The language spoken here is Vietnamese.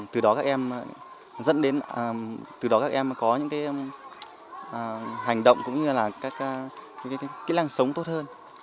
từ đó các em có những hành động cũng như kỹ năng sống tốt hơn